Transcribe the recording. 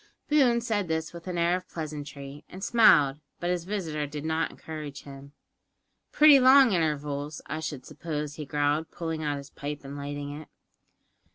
Boone said this with an air of pleasantry, and smiled, but his visitor did not encourage him. "Pretty long intervals, I should suppose," he growled, pulling out his pipe and lighting it.